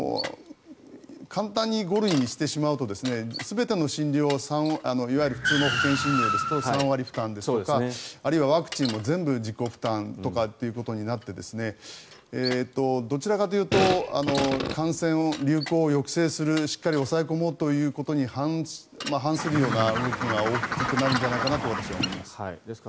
簡単に５類にしてしまうと全ての診療いわゆる普通の保険診療ですと３割負担ですとかあるいはワクチンも全部自己負担ということになってどちらかというと感染流行を抑制するしっかり抑え込もうということに反するような動きが大きくなるんじゃないかなと私は思います。